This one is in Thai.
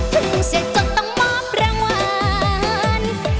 ถึงเสร็จจนต้องมาประวัติ